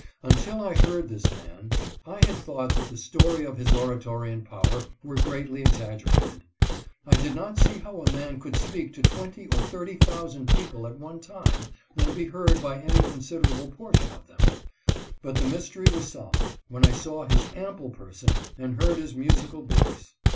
Until I heard this man I had thought that the story of his oratory and power were greatly exaggerated. I did not see how a man could speak to twenty or thirty thousand people at one time and be heard by any consid erable portion of them, but the mystery was solved when I saw his ample person and heard his musical voice.